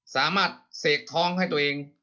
สามารถเสกท้องให้ตัวเอง